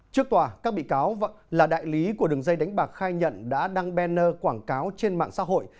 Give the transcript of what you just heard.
trước tòa các bị cáo là đại lý của đường dây đánh bạc khai nhận đã đăng banner quảng cáo trên mạng xã hội